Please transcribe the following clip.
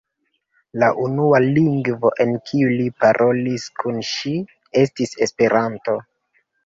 La unua lingvo, en kiu li parolis kun ŝi, estis Esperanto.